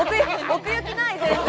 奥行きない全然！